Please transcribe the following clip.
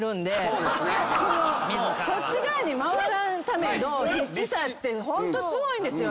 そっち側に回らんための必死さってホントすごいんですよ。